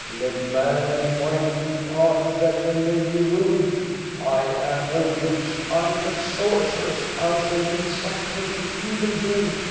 Let man and wife be parted, that they may be ruined ! I am a witch, I am a sorceress, I shall incite you to evil doing.